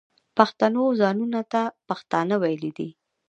پښتنو ځانونو ته پښتانه ویلي دي.